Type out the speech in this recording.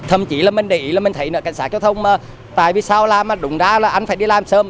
thậm chí là mình để ý là mình thấy cảnh sát cơ thông mà tại vì sao là đúng ra là anh phải đi làm sớm